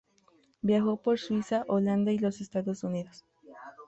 Viajó por Suiza, Holanda, y los Estados Unidos.